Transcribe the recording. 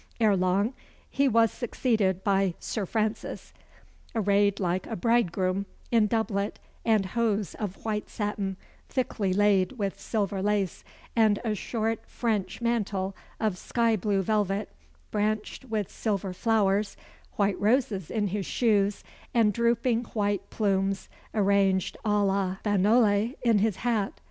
Ere long, he was succeeded by Sir Francis, arrayed like a bridegroom, in doublet and hose of white satin, thickly laid with silver lace, and a short French mantle of sky blue velvet, branched with silver flowers, white roses in his shoes, and drooping white plumes, arranged à l'Espagnolle, in his hat.